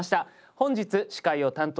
本日司会を担当します